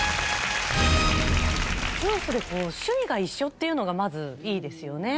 夫婦で趣味が一緒っていうのがまずいいですよね。